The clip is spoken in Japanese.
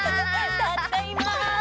たっだいま！